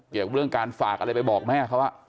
เกี่ยวกับเรื่องการฝากอะไรไปบอกแม่เขา